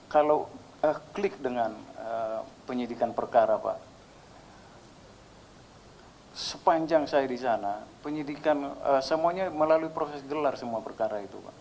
kalau klik dengan penyidikan perkara pak sepanjang saya di sana penyidikan semuanya melalui proses gelar semua perkara itu pak